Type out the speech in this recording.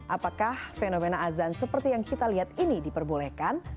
apakah fenomena azan seperti yang kita lihat ini diperbolehkan